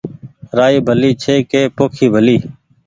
رآئي ڀلي ڇي ڪي پوکي ڀلي